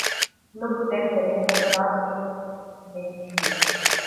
Nu putem permite un astfel de cinism.